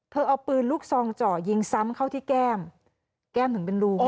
เอาปืนลูกซองเจาะยิงซ้ำเข้าที่แก้มแก้มถึงเป็นรู